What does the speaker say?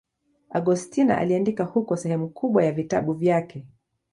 Agostino aliandika huko sehemu kubwa ya vitabu vyake.